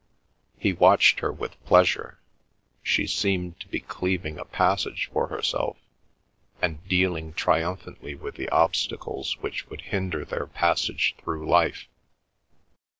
He watched her with pleasure; she seemed to be cleaving a passage for herself, and dealing triumphantly with the obstacles which would hinder their passage through life.